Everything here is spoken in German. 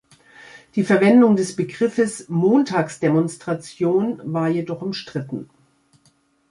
Die Verwendung des Begriffes „Montagsdemonstration“ war jedoch umstritten.